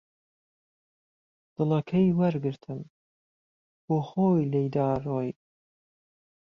دڵهکهی وهرگرتم، بۆ خۆی لێیدا رۆی